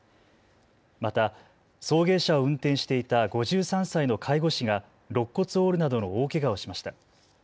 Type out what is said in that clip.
また送迎車を運転していた５３歳の介護士がろっ骨を折るなどの大けがをしました。